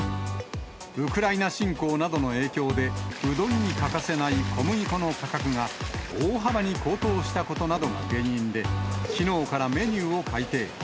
ウクライナ侵攻などの影響で、うどんに欠かせない小麦粉の価格が大幅に高騰したことなどが原因で、きのうからメニューを改定。